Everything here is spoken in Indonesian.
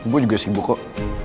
gue juga sibuk kok